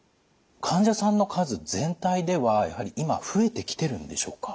患者さんの数全体ではやはり今増えてきてるんでしょうか？